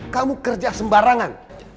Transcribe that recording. kamu kerja sembarangan